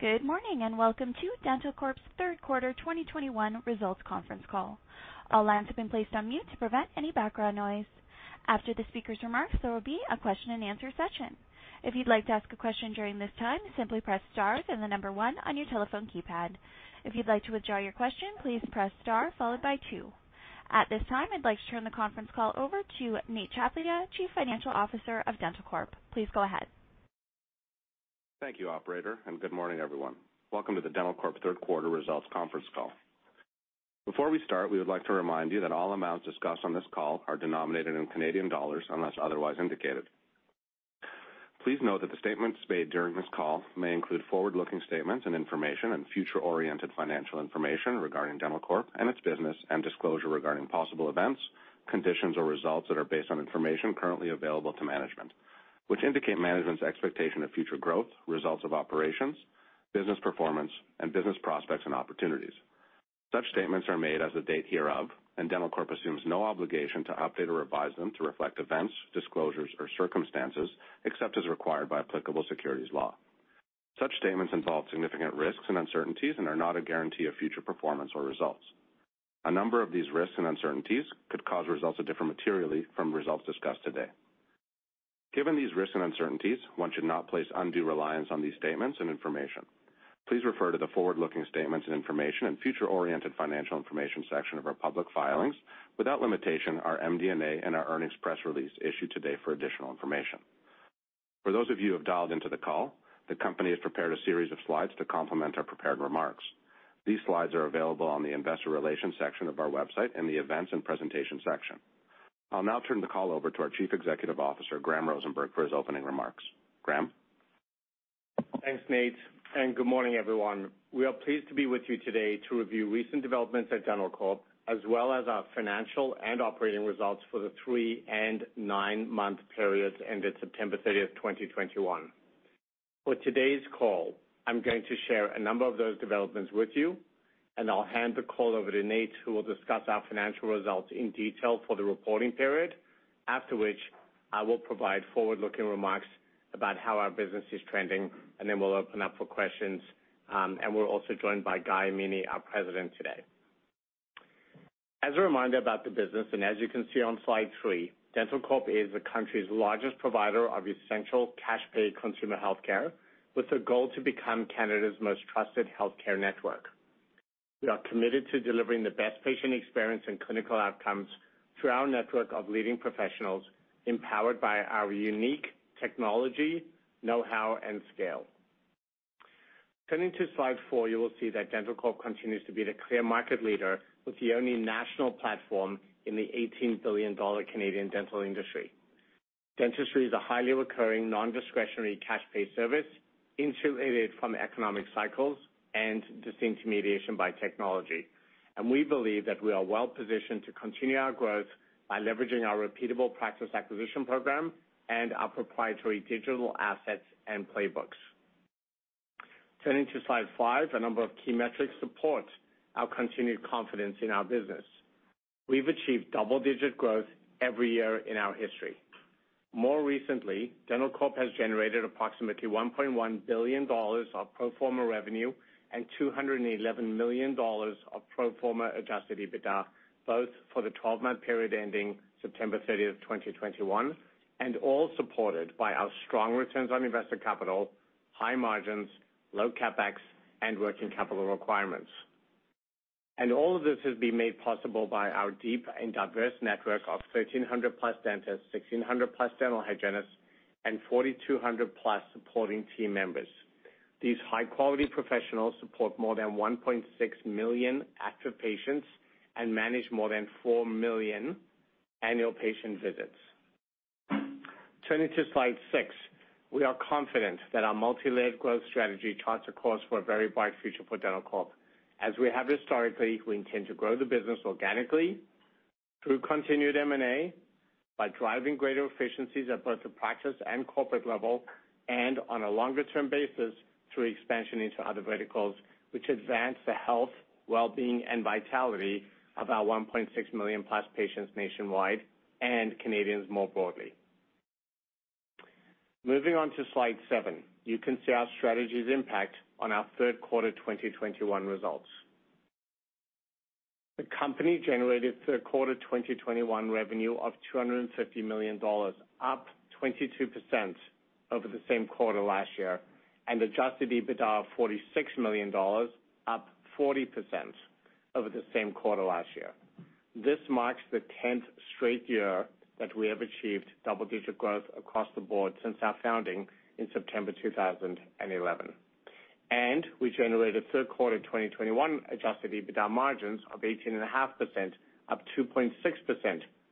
Good morning, and welcome to dentalcorp's third quarter 2021 results conference call. All lines have been placed on mute to prevent any background noise. After the speaker's remarks, there will be a question-and-answer session. If you'd like to ask a question during this time, simply press star then the number one on your telephone keypad. If you'd like to withdraw your question, please press star followed by two. At this time, I'd like to turn the conference call over to Nate Tchaplia, Chief Financial Officer of dentalcorp. Please go ahead. Thank you, operator, and good morning, everyone. Welcome to the dentalcorp third quarter results conference call. Before we start, we would like to remind you that all amounts discussed on this call are denominated in Canadian dollars unless otherwise indicated. Please note that the statements made during this call may include forward-looking statements and information and future-oriented financial information regarding dentalcorp and its business and disclosure regarding possible events, conditions, or results that are based on information currently available to management, which indicate management's expectation of future growth, results of operations, business performance, and business prospects and opportunities. Such statements are made as of the date hereof, and dentalcorp assumes no obligation to update or revise them to reflect events, disclosures, or circumstances except as required by applicable securities law. Such statements involve significant risks and uncertainties and are not a guarantee of future performance or results. A number of these risks and uncertainties could cause results to differ materially from results discussed today. Given these risks and uncertainties, one should not place undue reliance on these statements and information. Please refer to the forward-looking statements and information and future-oriented financial information section of our public filings without limitation, our MD&A, and our earnings press release issued today for additional information. For those of you who have dialed into the call, the company has prepared a series of slides to complement our prepared remarks. These slides are available on the Investor Relations section of our website in the Events and Presentation section. I'll now turn the call over to our Chief Executive Officer, Graham Rosenberg, for his opening remarks. Graham? Thanks, Nate, and good morning, everyone. We are pleased to be with you today to review recent developments at dentalcorp, as well as our financial and operating results for the three- and nine-month periods ended September 30th, 2021. For today's call, I'm going to share a number of those developments with you, and I'll hand the call over to Nate, who will discuss our financial results in detail for the reporting period. After which, I will provide forward-looking remarks about how our business is trending, and then we'll open up for questions, and we're also joined by Guy Amini, our President, today. As a reminder about the business, and as you can see on Slide 3, dentalcorp is the country's largest provider of essential cash pay consumer healthcare with a goal to become Canada's most trusted healthcare network. We are committed to delivering the best patient experience and clinical outcomes through our network of leading professionals, empowered by our unique technology, know-how, and scale. Turning to Slide 4, you will see that dentalcorp continues to be the clear market leader with the only national platform in the 18 billion Canadian dollars Canadian dental industry. Dentistry is a highly recurring, non-discretionary cash pay service, insulated from economic cycles and disintermediation by technology. We believe that we are well-positioned to continue our growth by leveraging our repeatable practice acquisition program and our proprietary digital assets and playbooks. Turning to Slide 5, a number of key metrics support our continued confidence in our business. We've achieved double-digit growth every year in our history. More recently, dentalcorp has generated approximately 1.1 billion dollars of pro forma revenue and 211 million dollars of pro forma adjusted EBITDA, both for the 12-month period ending September 30th, 2021, and all supported by our strong returns on invested capital, high margins, low CapEx, and working capital requirements. All of this has been made possible by our deep and diverse network of 1,300+ dentists, 1,600+ dental hygienists, and 4,200+ supporting team members. These high-quality professionals support more than 1.6 million active patients and manage more than 4 million annual patient visits. Turning to Slide 6, we are confident that our multi-layered growth strategy charts a course for a very bright future for dentalcorp. As we have historically, we intend to grow the business organically through continued M&A by driving greater efficiencies at both the practice and corporate level and on a longer-term basis through expansion into other verticals which advance the health, wellbeing, and vitality of our 1.6 million plus patients nationwide and Canadians more broadly. Moving on to Slide 7, you can see our strategy's impact on our third quarter 2021 results. The company generated third quarter 2021 revenue of 250 million dollars, up 22% over the same quarter last year, and adjusted EBITDA of 46 million dollars, up 40% over the same quarter last year. This marks the 10th straight year that we have achieved double-digit growth across the board since our founding in September 2011. We generated third quarter 2021 adjusted EBITDA margins of 18.5%, up 2.6%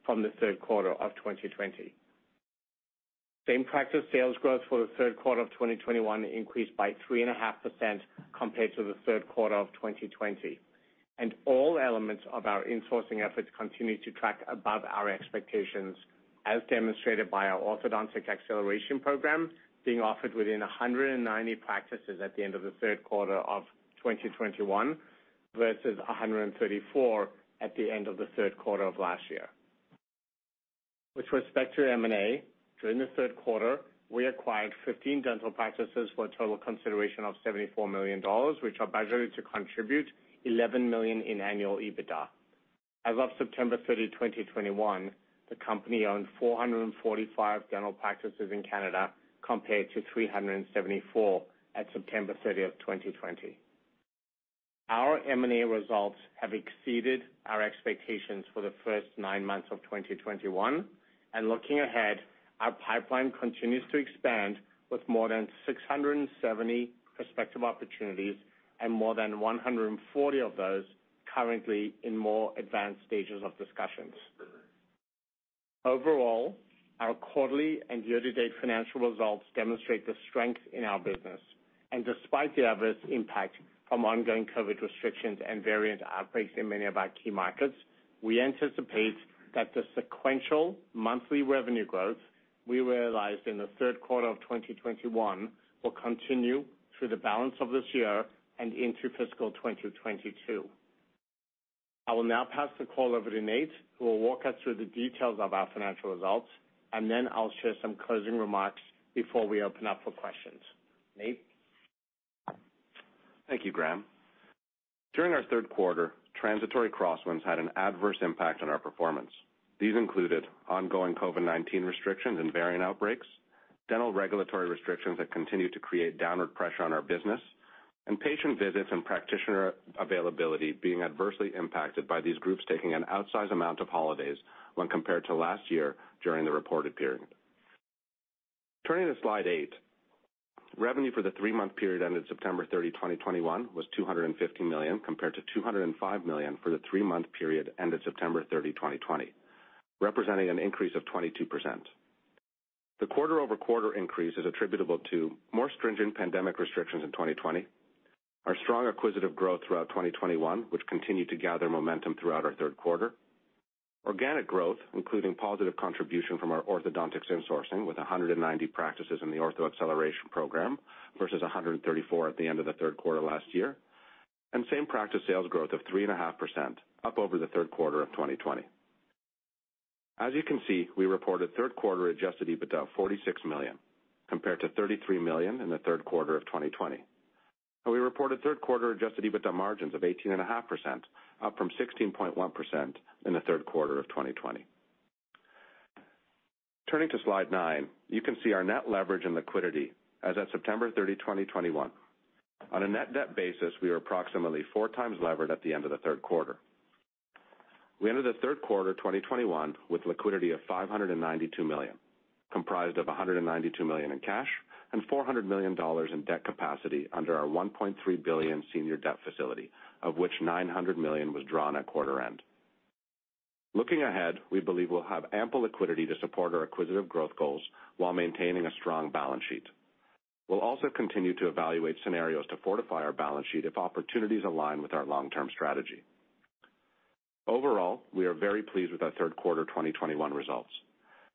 from the third quarter of 2020. Same Practice Sales Growth for the third quarter of 2021 increased by 3.5% compared to the third quarter of 2020. All elements of our insourcing efforts continue to track above our expectations, as demonstrated by our Orthodontic Acceleration Program being offered within 190 practices at the end of the third quarter of 2021 versus 134 at the end of the third quarter of last year. With respect to M&A, during the third quarter, we acquired 15 dental practices for a total consideration of 74 million dollars, which are budgeted to contribute 11 million in annual EBITDA. As of September 30, 2021, the company owned 445 dental practices in Canada compared to 374 at September 30, 2020. Our M&A results have exceeded our expectations for the first nine months of 2021, and looking ahead, our pipeline continues to expand with more than 670 prospective opportunities and more than 140 of those currently in more advanced stages of discussions. Overall, our quarterly and year-to-date financial results demonstrate the strength in our business. Despite the adverse impact from ongoing COVID restrictions and variant outbreaks in many of our key markets, we anticipate that the sequential monthly revenue growth we realized in the third quarter of 2021 will continue through the balance of this year and into fiscal 2022. I will now pass the call over to Nate, who will walk us through the details of our financial results, and then I'll share some closing remarks before we open up for questions. Nate? Thank you, Graham. During our third quarter, transitory crosswinds had an adverse impact on our performance. These included ongoing COVID-19 restrictions and variant outbreaks, dental regulatory restrictions that continued to create downward pressure on our business, and patient visits and practitioner availability being adversely impacted by these groups taking an outsized amount of holidays when compared to last year during the reported period. Turning to Slide 8, revenue for the three-month period ended September 30, 2021, was 250 million, compared to 205 million for the three-month period ended September 30, 2020, representing an increase of 22%. The quarter-over-quarter increase is attributable to more stringent pandemic restrictions in 2020, our strong acquisitive growth throughout 2021, which continued to gather momentum throughout our third quarter, organic growth, including positive contribution from our orthodontics insourcing with 190 practices in the Ortho Acceleration Program versus 134 at the end of the third quarter last year, and Same Practice Sales Growth of 3.5%, up over the third quarter of 2020. As you can see, we reported third quarter adjusted EBITDA of 46 million, compared to 33 million in the third quarter of 2020. We reported third quarter adjusted EBITDA margins of 18.5%, up from 16.1% in the third quarter of 2020. Turning to Slide 9, you can see our net leverage and liquidity as of September 30, 2021. On a net debt basis, we were approximately 4x levered at the end of the third quarter. We ended the third quarter 2021 with liquidity of 592 million, comprised of 192 million in cash and 400 million dollars in debt capacity under our 1.3 billion senior debt facility, of which 900 million was drawn at quarter end. Looking ahead, we believe we'll have ample liquidity to support our acquisitive growth goals while maintaining a strong balance sheet. We'll also continue to evaluate scenarios to fortify our balance sheet if opportunities align with our long-term strategy. Overall, we are very pleased with our third quarter 2021 results.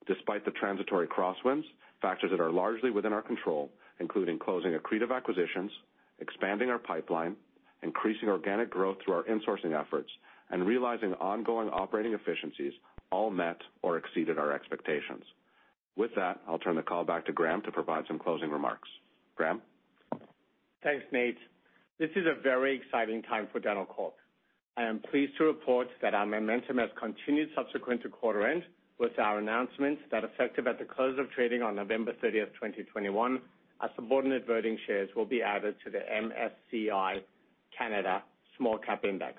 Despite the transitory crosswinds, factors that are largely within our control, including closing accretive acquisitions, expanding our pipeline, increasing organic growth through our insourcing efforts, and realizing ongoing operating efficiencies all met or exceeded our expectations. With that, I'll turn the call back to Graham to provide some closing remarks. Graham? Thanks, Nate. This is a very exciting time for dentalcorp. I am pleased to report that our momentum has continued subsequent to quarter end with our announcements that effective at the close of trading on November 30th, 2021, our subordinate voting shares will be added to the MSCI Canada Small Cap Index.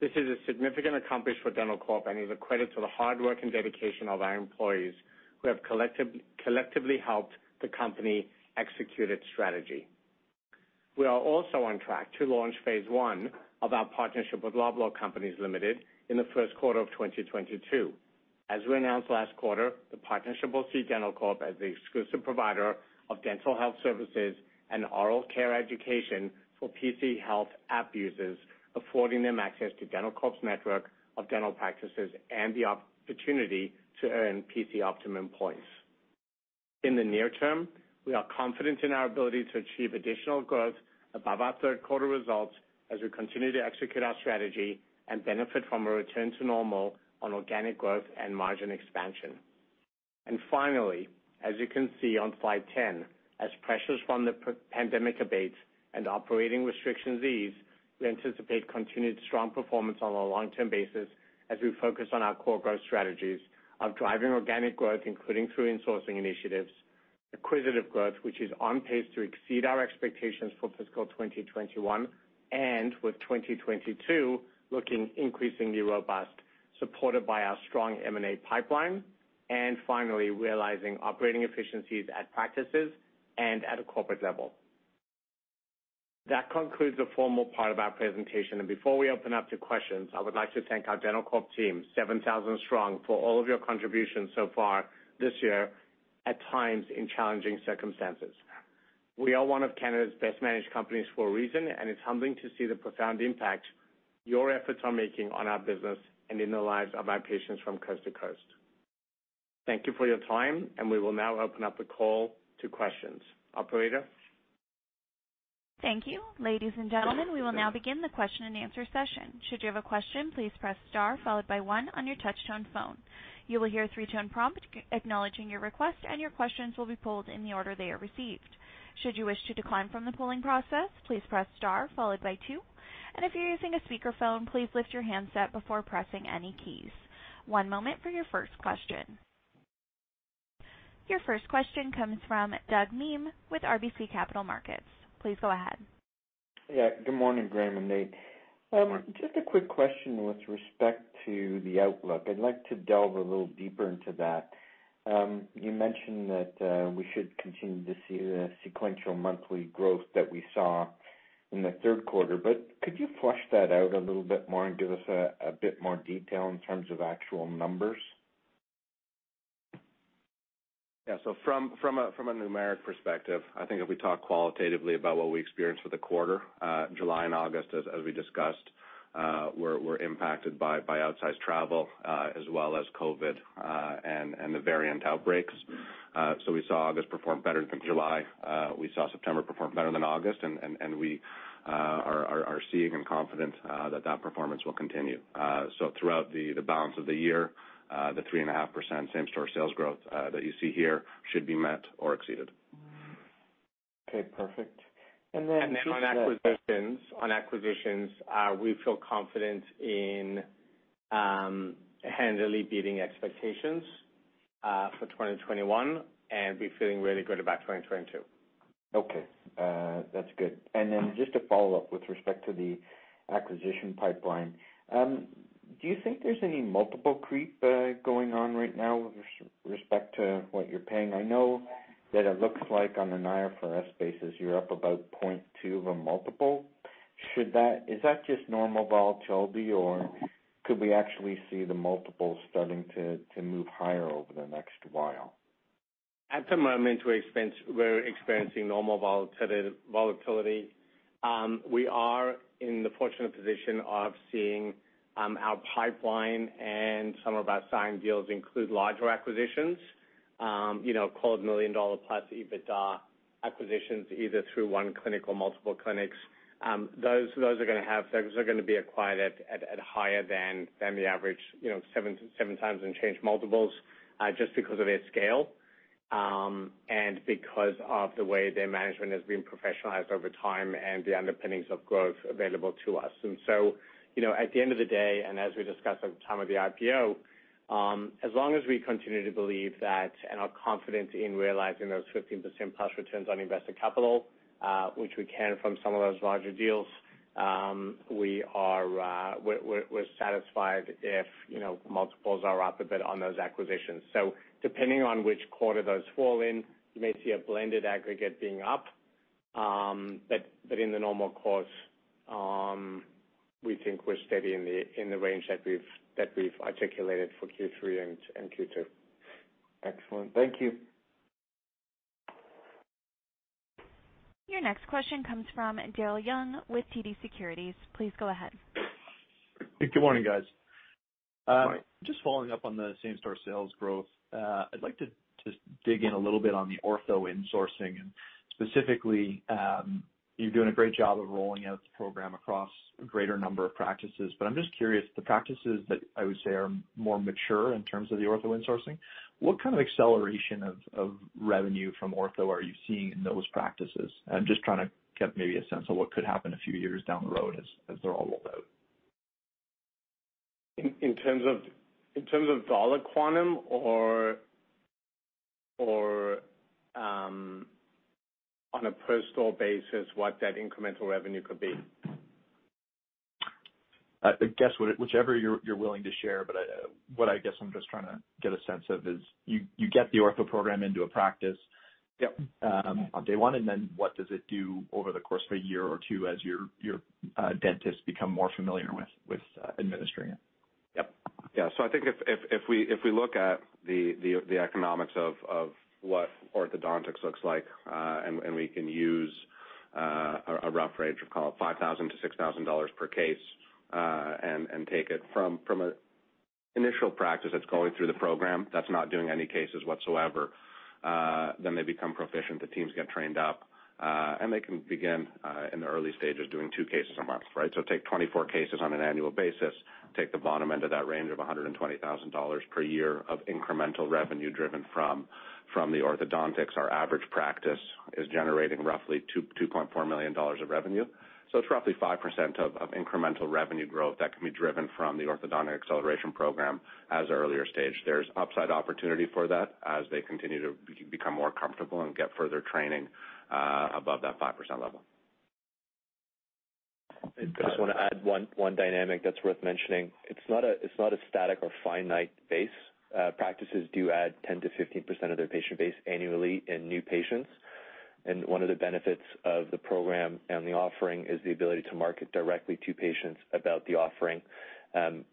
This is a significant accomplishment for dentalcorp and is a credit to the hard work and dedication of our employees, who have collectively helped the company execute its strategy. We are also on track to launch phase one of our partnership with Loblaw Companies Limited in the first quarter of 2022. As we announced last quarter, the partnership will see dentalcorp as the exclusive provider of dental health services and oral care education for PC Health app users, affording them access to dentalcorp's network of dental practices and the opportunity to earn PC Optimum points. In the near term, we are confident in our ability to achieve additional growth above our third quarter results as we continue to execute our strategy and benefit from a return to normal on organic growth and margin expansion. Finally, as you can see on Slide 10, as pressures from the pandemic abate and operating restrictions ease, we anticipate continued strong performance on a long-term basis as we focus on our core growth strategies of driving organic growth, including through insourcing initiatives, acquisitive growth, which is on pace to exceed our expectations for fiscal 2021, and with 2022 looking increasingly robust, supported by our strong M&A pipeline, and finally, realizing operating efficiencies at practices and at a corporate level. That concludes the formal part of our presentation. Before we open up to questions, I would like to thank our dentalcorp team, 7,000 strong, for all of your contributions so far this year, at times in challenging circumstances. We are one of Canada's best managed companies for a reason, and it's humbling to see the profound impact your efforts are making on our business and in the lives of our patients from coast to coast. Thank you for your time, and we will now open up the call to questions. Operator? Thank you. Ladies and gentlemen, we will now begin the question-and-answer session. Should you have a question, please press star followed by one on your touch-tone phone. You will hear a three-tone prompt acknowledging your request, and your questions will be pulled in the order they are received. Should you wish to decline from the polling process, please press star followed by two. If you're using a speakerphone, please lift your handset before pressing any keys. One moment for your first question. Your first question comes from Douglas Miehm with RBC Capital Markets. Please go ahead. Yeah, good morning, Graham and Nate. Just a quick question with respect to the outlook. You mentioned that we should continue to see the sequential monthly growth that we saw in the third quarter, but could you flesh that out a little bit more and give us a bit more detail in terms of actual numbers? Yeah. From a numeric perspective, I think if we talk qualitatively about what we experienced for the quarter, July and August, as we discussed, were impacted by outsized travel, as well as COVID, and the variant outbreaks. We saw August perform better than July. We saw September perform better than August. We are seeing and confident that performance will continue. Throughout the balance of the year, the 3.5% Same Practice Sales Growth that you see here should be met or exceeded. Okay, perfect. Just that. On acquisitions, we feel confident in handily beating expectations for 2021, and we're feeling really good about 2022. Okay. That's good. Then just to follow up with respect to the acquisition pipeline, do you think there's any multiple creep going on right now with respect to what you're paying? I know that it looks like on the IFRS basis, you're up about 0.2 of a multiple. Is that just normal volatility, or could we actually see the multiples starting to move higher over the next while? At the moment, we're experiencing normal volatility. We are in the fortunate position of seeing our pipeline and some of our signed deals include larger acquisitions, you know, called 1 million dollar+ EBITDA acquisitions, either through one clinic or multiple clinics. Those are gonna be acquired at higher than the average, you know, 7x and change multiples, just because of their scale, and because of the way their management has been professionalized over time and the underpinnings of growth available to us. You know, at the end of the day, and as we discussed at the time of the IPO, as long as we continue to believe that and are confident in realizing those 15%+ returns on invested capital, which we can from some of those larger deals, we're satisfied if, you know, multiples are up a bit on those acquisitions. Depending on which quarter those fall in, you may see a blended aggregate being up. But in the normal course, we think we're steady in the range that we've articulated for Q3 and Q2. Excellent. Thank you. Your next question comes from Daryl Young with TD Securities. Please go ahead. Good morning, guys. Morning. Just following up on the same-practice sales growth, I'd like to just dig in a little bit on the ortho insourcing and specifically, you're doing a great job of rolling out the program across a greater number of practices. I'm just curious, the practices that I would say are more mature in terms of the ortho insourcing, what kind of acceleration of revenue from ortho are you seeing in those practices? I'm just trying to get maybe a sense of what could happen a few years down the road as they're all rolled out. In terms of dollar quantum or on a per store basis, what that incremental revenue could be? I guess whatever you're willing to share, but what I guess I'm just trying to get a sense of is you get the ortho program into a practice- Yep. On day one, and then what does it do over the course of a year or two as your dentists become more familiar with administering it? Yeah. I think if we look at the economics of what orthodontics looks like, and we can use a rough range of, call it 5,000-6,000 dollars per case, and take it from an initial practice that's going through the program, that's not doing any cases whatsoever, then they become proficient, the teams get trained up, and they can begin in the early stages doing 2 cases a month, right? Take 24 cases on an annual basis, take the bottom end of that range of 120,000 dollars per year of incremental revenue driven from the orthodontics. Our average practice is generating roughly 2.4 million dollars of revenue. It's roughly 5% of incremental revenue growth that can be driven from the Ortho Acceleration Program at an earlier stage. There's upside opportunity for that as they continue to become more comfortable and get further training above that 5% level. Okay. I just wanna add one dynamic that's worth mentioning. It's not a static or finite base. Practices do add 10%-15% of their patient base annually in new patients. One of the benefits of the program and the offering is the ability to market directly to patients about the offering.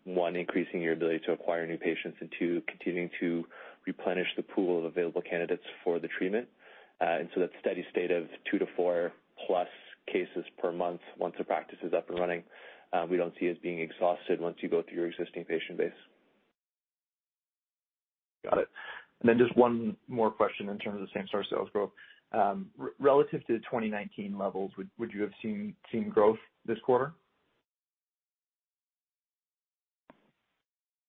One, increasing your ability to acquire new patients, and two, continuing to replenish the pool of available candidates for the treatment. That steady state of 2-4+ cases per month once a practice is up and running, we don't see as being exhausted once you go through your existing patient base. Just one more question in terms of the Same Practice Sales Growth. Relative to 2019 levels, would you have seen growth this quarter?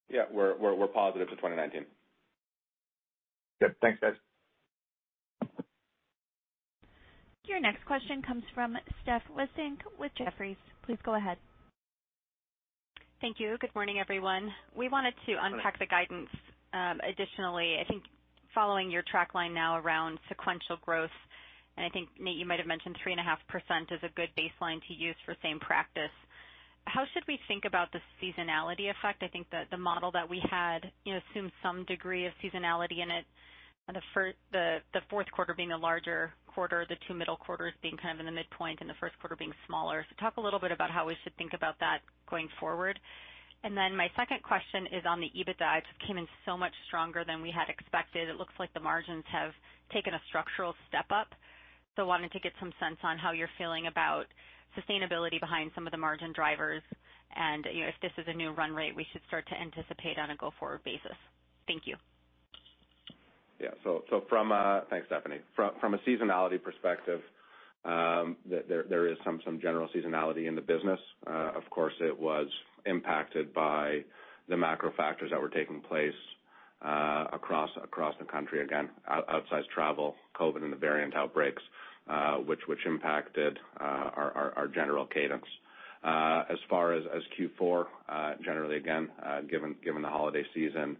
Yeah. We're positive to 2019. Good. Thanks, guys. Your next question comes from Stephanie Wissink with Jefferies. Please go ahead. Thank you. Good morning, everyone. We wanted to unpack the guidance, additionally, I think following your track line now around sequential growth, and I think, Nate, you might have mentioned 3.5% is a good baseline to use for same practice. How should we think about the seasonality effect? I think the model that we had, you know, assumes some degree of seasonality in it, and the fourth quarter being the larger quarter, the two middle quarters being kind of in the midpoint, and the first quarter being smaller. Talk a little bit about how we should think about that going forward. My second question is on the EBITDA. It came in so much stronger than we had expected. It looks like the margins have taken a structural step up. I wanted to get some sense on how you're feeling about sustainability behind some of the margin drivers and, you know, if this is a new run rate we should start to anticipate on a go-forward basis. Thank you. Thanks, Stephanie. From a seasonality perspective, there is some general seasonality in the business. Of course, it was impacted by the macro factors that were taking place across the country. Again, outsized travel, COVID and the variant outbreaks, which impacted our general cadence. As far as Q4, generally again, given the holiday season,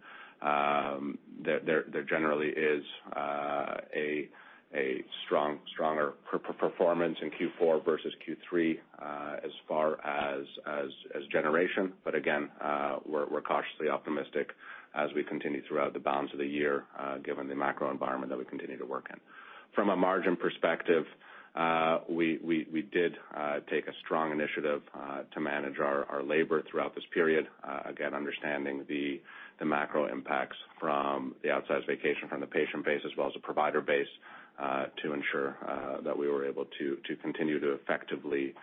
there generally is a stronger performance in Q4 versus Q3, as far as generation. Again, we're cautiously optimistic as we continue throughout the balance of the year, given the macro environment that we continue to work in. From a margin perspective, we did take a strong initiative to manage our labor throughout this period, again, understanding the macro impacts from the outsized vaccination from the patient base as well as the provider base, to ensure that we were able to continue to effectively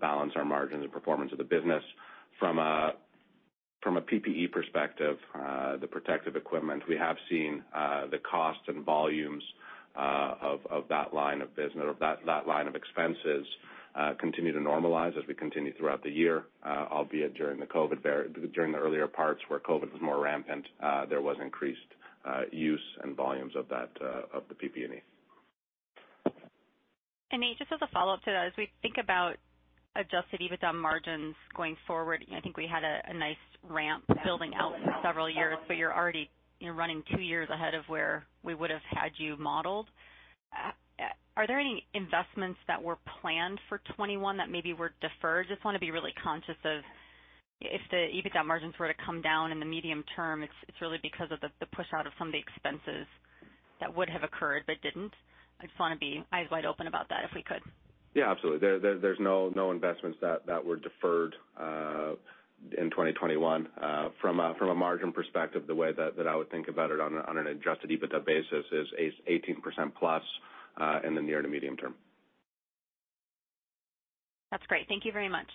balance our margins and performance of the business. From a PPE perspective, the protective equipment, we have seen the costs and volumes of that line of business or that line of expenses continue to normalize as we continue throughout the year, albeit during the earlier parts where COVID was more rampant, there was increased use and volumes of the PPE. Nate, just as a follow-up to that, as we think about adjusted EBITDA margins going forward, I think we had a nice ramp building out for several years, but you're already, you know, running two years ahead of where we would have had you modeled. Are there any investments that were planned for 2021 that maybe were deferred? Just wanna be really conscious of if the EBITDA margins were to come down in the medium term, it's really because of the push out of some of the expenses that would have occurred but didn't. I just wanna be eyes wide open about that if we could. Yeah, absolutely. There's no investments that were deferred in 2021. From a margin perspective, the way that I would think about it on an adjusted EBITDA basis is 18%+ in the near to medium term. That's great. Thank you very much.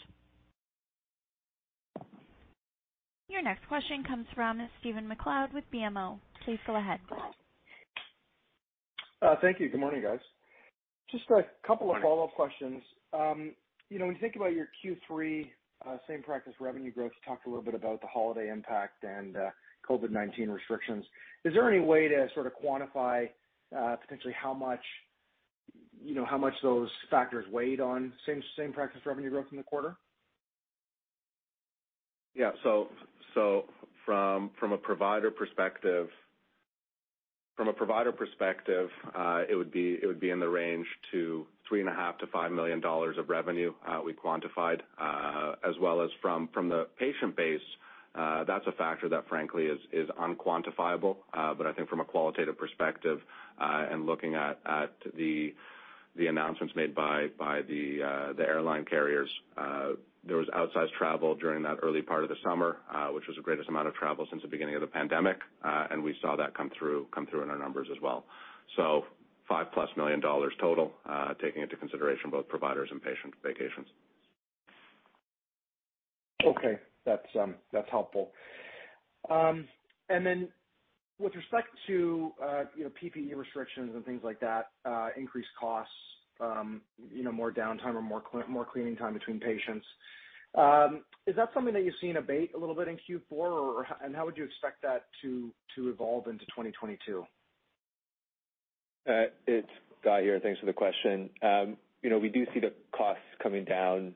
Your next question comes from Stephen MacLeod with BMO. Please go ahead. Thank you. Good morning, guys. Just a couple of follow-up questions. You know, when you think about your Q3 same practice revenue growth, you talked a little bit about the holiday impact and COVID-19 restrictions. Is there any way to sort of quantify potentially how much, you know, how much those factors weighed on same practice revenue growth in the quarter? Yeah. From a provider perspective, it would be in the range to 3.5 million-5 million dollars of revenue we quantified as well as from the patient base, that's a factor that frankly is unquantifiable. But I think from a qualitative perspective, and looking at the announcements made by the airline carriers, there was outsized travel during that early part of the summer, which was the greatest amount of travel since the beginning of the pandemic, and we saw that come through in our numbers as well. 5+ million dollars total, taking into consideration both providers and patient vacations. Okay, that's helpful. With respect to you know, PPE restrictions and things like that, increased costs, you know, more downtime or more cleaning time between patients, is that something that you see abate a little bit in Q4 or and how would you expect that to evolve into 2022? It's Guy here. Thanks for the question. You know, we do see the costs coming down.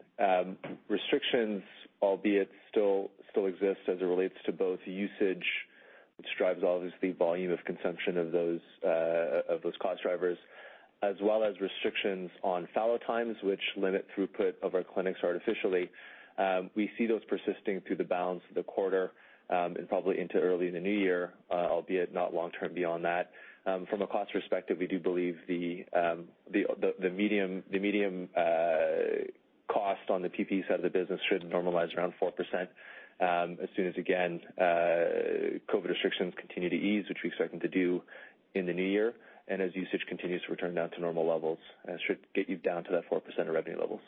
Restrictions albeit still exist as it relates to both usage, which drives obviously volume of consumption of those cost drivers, as well as restrictions on fallow time, which limit throughput of our clinics artificially. We see those persisting through the balance of the quarter and probably into early in the new year, albeit not long term beyond that. From a cost perspective, we do believe the median cost on the PPE side of the business should normalize around 4%, as soon as again COVID restrictions continue to ease, which we expect them to do in the new year. As usage continues to return down to normal levels, should get you down to that 4% of revenue levels.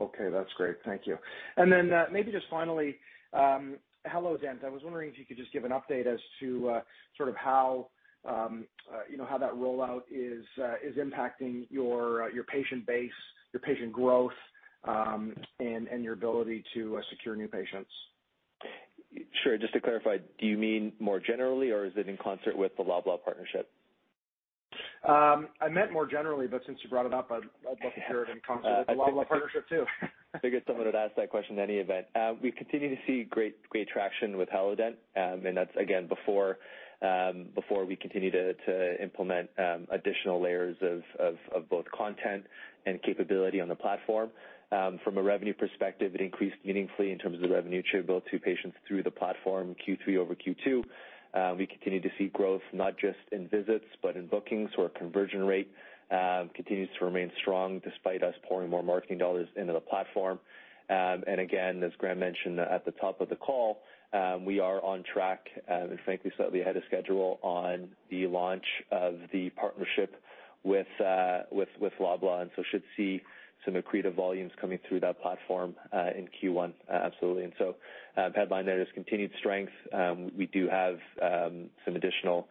Okay, that's great. Thank you. Maybe just finally, hellodent. I was wondering if you could just give an update as to, sort of how, you know, how that rollout is impacting your patient base, your patient growth, and your ability to secure new patients. Sure. Just to clarify, do you mean more generally, or is it in concert with the Loblaw partnership? I meant more generally, but since you brought it up, I'd love to hear it in concert with the Loblaw partnership too. figured someone would ask that question in any event. We continue to see great traction with hellodent. That's again before we continue to implement additional layers of both content and capability on the platform. From a revenue perspective, it increased meaningfully in terms of revenue attributable to patients through the platform, Q3 over Q2. We continue to see growth, not just in visits, but in bookings. Our conversion rate continues to remain strong despite us pouring more marketing dollars into the platform. Again, as Graham mentioned at the top of the call, we are on track and frankly, slightly ahead of schedule on the launch of the partnership with Loblaw, and so should see some accretive volumes coming through that platform in Q1 absolutely. Headline there is continued strength. We do have some additional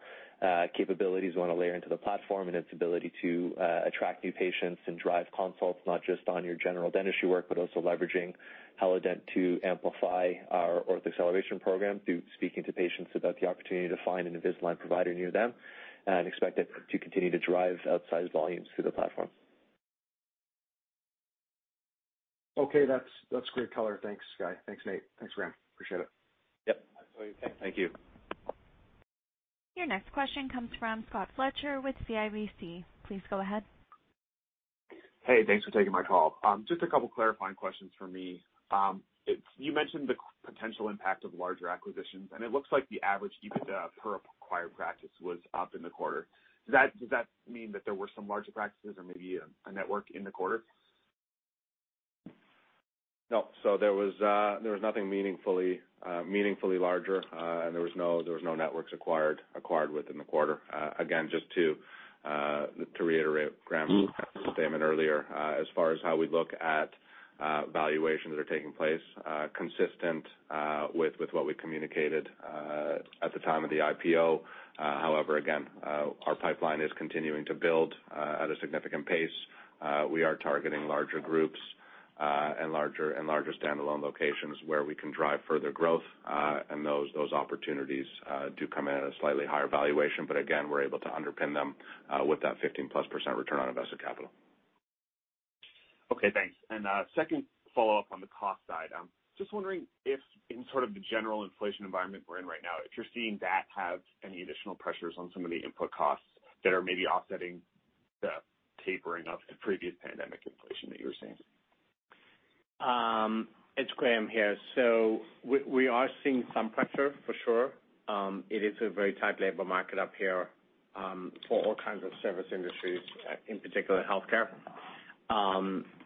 capabilities we wanna layer into the platform and its ability to attract new patients and drive consults, not just on your general dentistry work, but also leveraging hellodent to amplify our Ortho Acceleration Program through speaking to patients about the opportunity to find an Invisalign provider near them and expect it to continue to drive outsized volumes through the platform. Okay. That's great color. Thanks, Guy. Thanks, Nate. Thanks, Graham. Appreciate it. Yep. Absolutely. Thank you. Your next question comes from Scott Fletcher with CIBC. Please go ahead. Hey, thanks for taking my call. Just a couple clarifying questions from me. You mentioned the potential impact of larger acquisitions, and it looks like the average EBITDA per acquired practice was up in the quarter. Does that mean that there were some larger practices or maybe a network in the quarter? No. There was nothing meaningfully larger, and there was no networks acquired within the quarter. Again, just to reiterate Graham's statement earlier, as far as how we look at valuations that are taking place, consistent with what we communicated at the time of the IPO. However, again, our pipeline is continuing to build at a significant pace. We are targeting larger groups and larger standalone locations where we can drive further growth, and those opportunities do come in at a slightly higher valuation. Again, we're able to underpin them with that 15%+ return on invested capital. Okay, thanks. Second follow-up on the cost side. Just wondering if in sort of the general inflation environment we're in right now, if you're seeing that have any additional pressures on some of the input costs that are maybe offsetting the tapering of the previous pandemic inflation that you were seeing? It's Graham here. We are seeing some pressure for sure. It is a very tight labor market up here, for all kinds of service industries, in particular healthcare.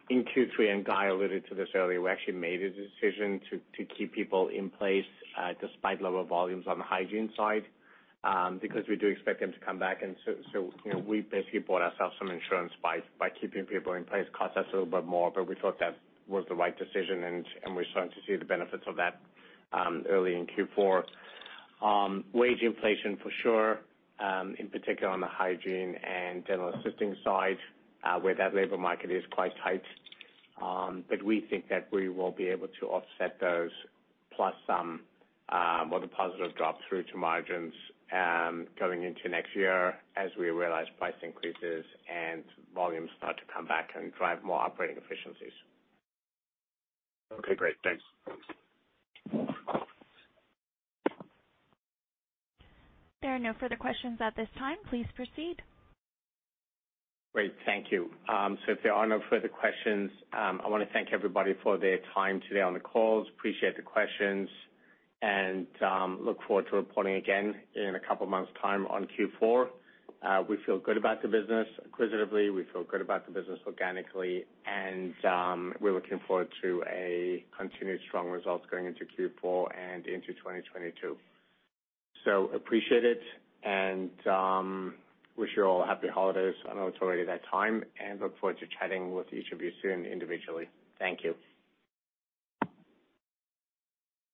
In Q3, and Guy alluded to this earlier, we actually made a decision to keep people in place, despite lower volumes on the hygiene side, because we do expect them to come back. You know, we basically bought ourselves some insurance by keeping people in place. It cost us a little bit more, but we thought that was the right decision, and we're starting to see the benefits of that early in Q4. Wage inflation for sure, in particular on the hygiene and dental assisting side, where that labor market is quite tight. We think that we will be able to offset those plus some, with a positive drop through to margins, going into next year as we realize price increases and volumes start to come back and drive more operating efficiencies. Okay, great. Thanks. There are no further questions at this time. Please proceed. Great. Thank you. So if there are no further questions, I wanna thank everybody for their time today on the call. Appreciate the questions and, look forward to reporting again in a couple of months' time on Q4. We feel good about the business acquisitively, we feel good about the business organically, and, we're looking forward to a continued strong results going into Q4 and into 2022. Appreciate it and, wish you all happy holidays. I know it's already that time, and look forward to chatting with each of you soon individually. Thank you.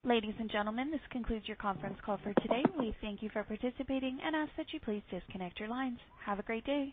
Ladies and gentlemen, this concludes your conference call for today. We thank you for participating and ask that you please disconnect your lines. Have a great day.